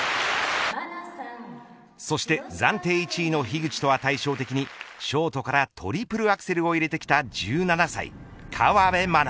そして暫定１位の樋口とは対照的にショートからトリプルアクセルを入れてきた１７歳、河辺愛菜。